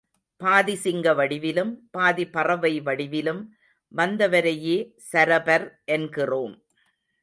பாதி சிங்க வடிவிலும், பாதி பறவை வடிவிலும் வந்தவரையே சரபர் என்கிறோம்.